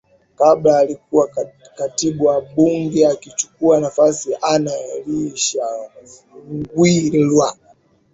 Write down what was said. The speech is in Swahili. Kabla alikuwa katibu wa bunge akichukua nafasi ya Anna Elisha Mghwira